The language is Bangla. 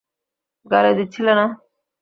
গালি দিচ্ছিলে না?